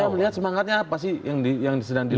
anda melihat semangatnya apa sih yang sedang dilakukan